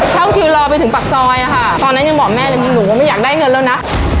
เข้าคิวรอไปถึงปากซอยอะค่ะตอนนั้นยังบอกแม่เลยหนูว่าไม่อยากได้เงินแล้วนะ